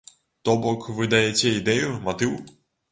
То бок вы даяце ідэю, матыў.